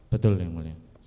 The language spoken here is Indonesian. betul yang mulia